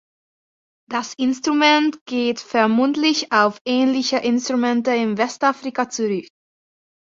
Das Instrument geht vermutlich auf ähnliche Instrumente in Westafrika zurück.